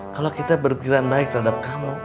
kalau kita berpikiran baik terhadap kamu